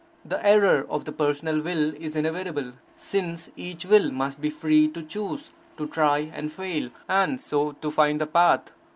The error of the personal will is inevitable, since each will must be free to choose, to try and fail, and so to find the path.